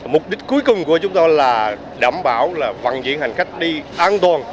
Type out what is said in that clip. mục đích cuối cùng của chúng tôi là đảm bảo vận diện hành khách đi an toàn